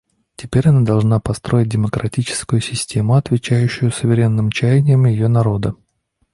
Теперь она должна построить демократическую систему, отвечающую суверенным чаяниям ее народа.